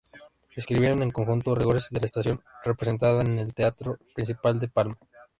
Escribieron en conjunto "Rigores de la estación", representada en el Teatro Principal de Palma.